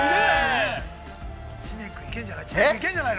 ◆知念君、いけんじゃないの？